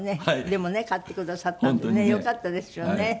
でもね買ってくださったんでねよかったですよね。